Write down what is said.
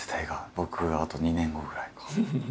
僕あと２年後ぐらいか。